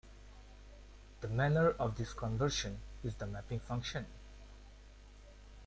The manner of this conversion is the mapping function.